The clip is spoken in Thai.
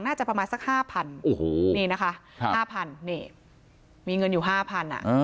น่าจะประมาณสัก๕๐๐โอ้โหนี่นะคะ๕๐๐นี่มีเงินอยู่ห้าพันอ่ะ